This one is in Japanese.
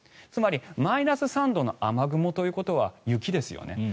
つまり、マイナス３度の雨雲ということは雪ですよね。